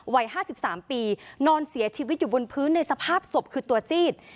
วัย๕๓ปีนอนเสียชีวิตอยู่บนพื้นในสภาพศพคือตัวซีด